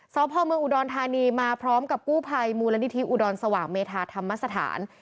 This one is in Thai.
สพเมืองอุดรธานีมาพร้อมกับกู้ภัยมูลนิธิอุดรสว่างเมธาธรรมสถาน